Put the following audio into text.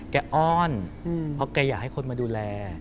อ้อนเพราะแกอยากให้คนมาดูแล